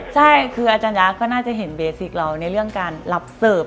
ใช่คืออาจารยะก็น่าจะเห็นเบสิกเราในเรื่องการรับเสิร์ฟ